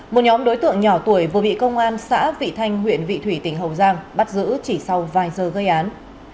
một nhóm đối tượng nhỏ tuổi vừa bị công an xã vị thanh huyện vị thủy tỉnh hậu giang bắt giữ chỉ sau vài giờ gây án